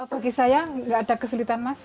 bagi saya nggak ada kesulitan mas